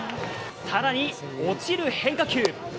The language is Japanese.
さらに落ちる変化球。